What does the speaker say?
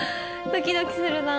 ドキドキするな。